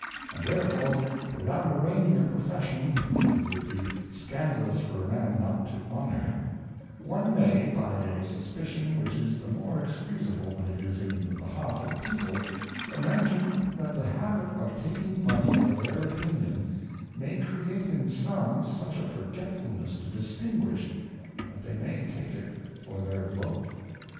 And therefore, without arraigning a Profession, that it would be scandalous for a man not to honour ; one may, by a Sus picion which is the more excusable when it is in the behalf of the People, imagine that tlie habit of taking Money for their Opinion, may create in some such a forgetfulness to distinguish, that they may take it for their Vote.